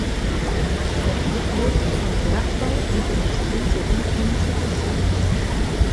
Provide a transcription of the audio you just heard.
Der Ort lebt von Bergbau und Industrie sowie vom Tourismus.